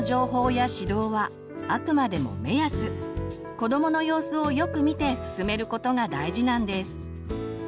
子どもの様子をよく見て進めることが大事なんです。